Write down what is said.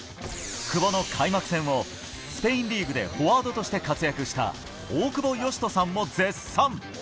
久保の開幕戦をスペインリーグでフォワードとして活躍した大久保嘉人さんも絶賛。